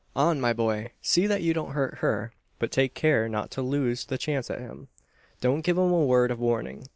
On, my boy! See that you don't hurt her; but take care not to lose the chance at him. Don't give him a word of warning.